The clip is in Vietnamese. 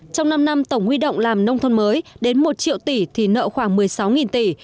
trong năm năm tổng huy động làm nông thôn mới đến một triệu tỷ thì nợ khoảng một mươi sáu tỷ